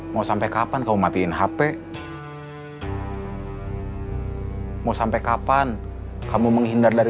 mau sampai kapan kamu matiin hp mau sampai kapan kamu menghindar dari